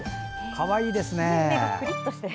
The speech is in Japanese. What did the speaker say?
かわいいですね。